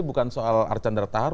bukan soal archandar tahr